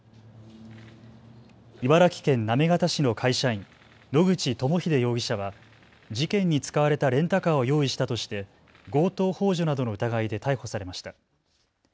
茨城県行方市の会社員、野口朋秀容疑者は事件に使われたレンタカーを用意したとして強盗ほう助などの疑いで逮捕されました。